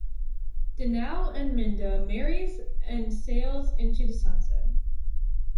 Danao and Minda marries and sails into the sunset.